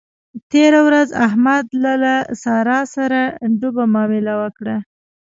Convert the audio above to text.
تېره ورځ احمد له له سارا سره ډوبه مامله وکړه.